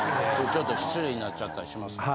ちょっと失礼になっちゃったりしますからね。